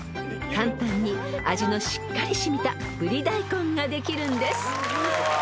［簡単に味のしっかり染みたぶり大根ができるんです］